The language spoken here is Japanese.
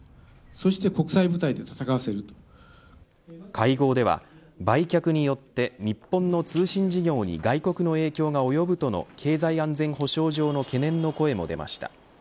会合では、売却によって日本の通信事業に外国の影響が及ぶとの経済安全保障上の懸念の声も出ました。